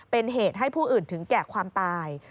เป็นเหตุให้ผู้อื่นถึงแก่ความตาย